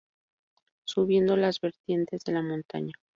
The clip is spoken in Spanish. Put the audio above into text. Subiendo las vertientes de la montaña.